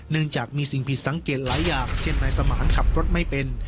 จากมีสิ่งผิดสังเกตหลายอย่างเช่นนายสมานขับรถไม่เป็น